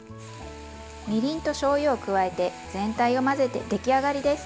みりんとしょうゆを加えて全体を混ぜて出来上がりです。